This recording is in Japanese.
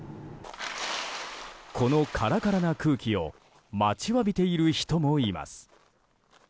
このカラカラな空気を待ちわびている人もいます。